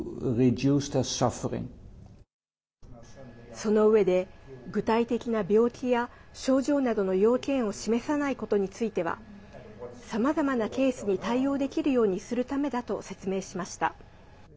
そのうえで、具体的な病気や症状などの要件を示さないことについてはさまざまなケースに対応できるようにするためだと説明しました。